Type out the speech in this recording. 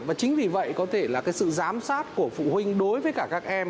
và chính vì vậy có thể là cái sự giám sát của phụ huynh đối với cả các em